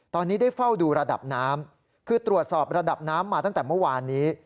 ตอนนี้ได้เฝ้าดูระดับน้ำคือตรวจสอบระดับน้ำมาตั้งแต่เมื่อวานนี้